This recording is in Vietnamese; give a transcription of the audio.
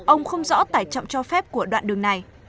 ông không rõ tải trọng cho phép của đoạn đường này